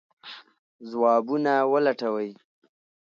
ځوابونه ولټوئ.